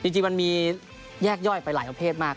จริงมันมีแยกย่อยไปหลายประเภทมาก